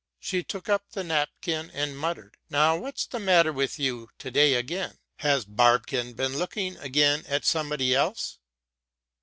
She took up the napkin, and muttered, *» Now, what's the matter with you to day again? Has Barb chen* been looking again at somebody else?